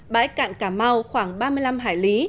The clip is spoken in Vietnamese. bãi cạn cà mau khoảng ba mươi năm hải lý